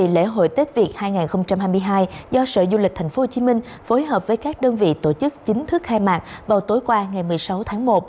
lễ hội tết việt hai nghìn hai mươi hai do sở du lịch tp hcm phối hợp với các đơn vị tổ chức chính thức khai mạc vào tối qua ngày một mươi sáu tháng một